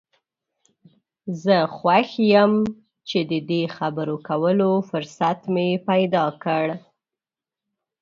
زه خوښ یم چې د دې خبرو کولو فرصت مې پیدا کړ.